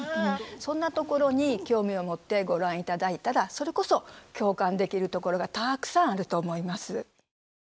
そんなところに興味を持ってご覧いただいたらそれこそ共感できるところがたくさんあると思います。